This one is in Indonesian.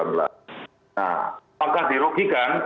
nah apakah dirugikan